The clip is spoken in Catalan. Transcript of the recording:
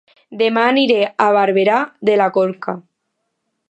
Dema aniré a Barberà de la Conca